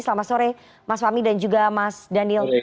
selamat sore mas fahmi dan juga mas daniel